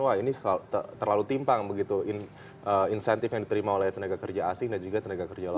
wah ini terlalu timpang begitu insentif yang diterima oleh tenaga kerja asing dan juga tenaga kerja lain